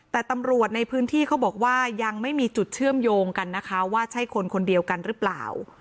แต่ตำรวจในพื้นที่เขาบอกว่ายังไม่มีจุดเชื่อมโยงกันนะคะว่าใช่คนคนเดียวกันหรือเปล่า